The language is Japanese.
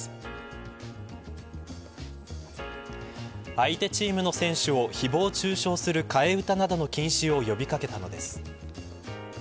相手チームの選手をひぼう中傷する替え歌などの禁止を呼び掛けたのです。